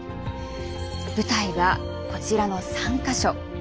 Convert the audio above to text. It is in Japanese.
舞台はこちらの３か所。